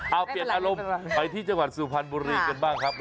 เอาเปลี่ยนอารมณ์ไปที่จังหวัดสุพรรณบุรีกันบ้างครับ